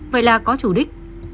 vậy là có chủ đích